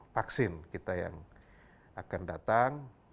vaksin kita yang akan datang